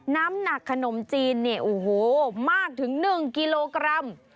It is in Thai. น้ำหนักขนมจีนมักถึง๑กิโลกรัม